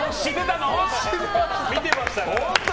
見てましたから。